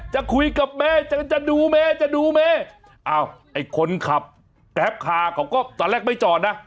จะคุยกับเมย์จะดูเมจะดูเมอ้าวไอ้คนขับแกรปคาเขาก็ตอนแรกไม่จอดนะ